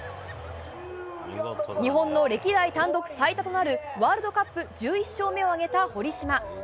日本の歴代単独最多となるワールドカップ１１勝目を挙げた堀島。